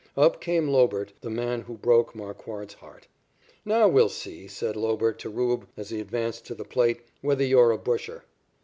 Up came Lobert, the man who broke Marquard's heart. "Now we'll see," said Lobert to "Rube," as he advanced to the plate, "whether you're a busher."